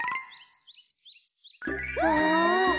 わあ！